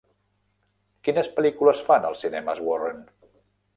Quines pel·lícules fan als cinemes Warren?